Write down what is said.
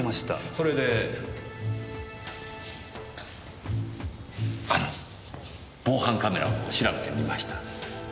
それであの防犯カメラを調べてみました。